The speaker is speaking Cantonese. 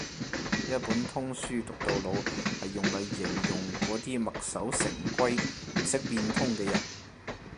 一本通書讀到老係用嚟形容嗰啲墨守成規唔識變通嘅人